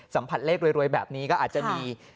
สัมผัสเลขรวยแบบนี้ก็อาจจะมี